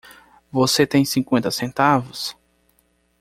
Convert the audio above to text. Você tem cinquenta centavos?